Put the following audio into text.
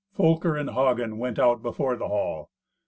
Folker and Hagen went out before the hall.